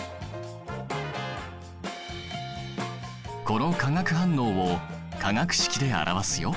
この化学反応を化学式で表すよ。